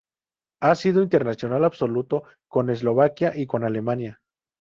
Ha sido internacional absoluto con Eslovaquia y con Alemania.